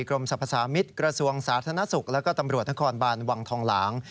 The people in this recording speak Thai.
กรมสรรพสามิตรกระทรวงสาธารณสุขแล้วก็ตำรวจนครบานวังทองหลาง